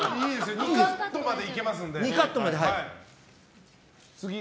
２カットまでいけますので。